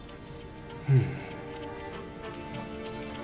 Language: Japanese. うん。